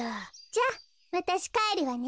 じゃあわたしかえるわね。